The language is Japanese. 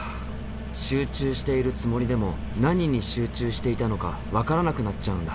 集中しているつもりでも何に集中していたのか分からなくなっちゃうんだ。